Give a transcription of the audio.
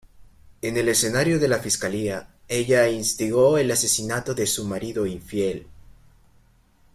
En el escenario de la fiscalía, ella instigó el asesinato de su marido infiel.